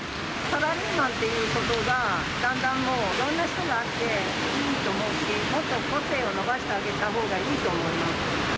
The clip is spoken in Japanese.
サラリーマンということばが、だんだんもう、いろんな人があっていいと思うし、もっと個性を伸ばしてあげたほうがいいと思います。